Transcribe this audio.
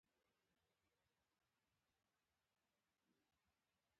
جوجو وويل: د کندو بېځايه کول د دهقان کار نه دی.